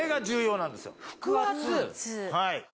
はい。